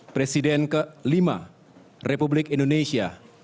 presiden kelima republik indonesia